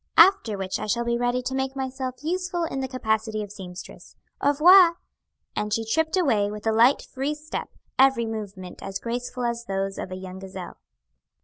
"After which I shall be ready to make myself useful in the capacity of seamstress. Au revoir." And she tripped away with a light, free step, every movement as graceful as those of a young gazelle.